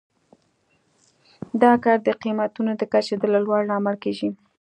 دا کار د قیمتونو د کچې د لوړوالي لامل کیږي.